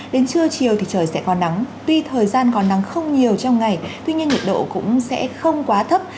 đến trưa chiều thì trời sẽ còn nắng tuy thời gian còn nắng không nhiều trong ngày tuy nhiên nhiệt độ cũng sẽ không quá thấp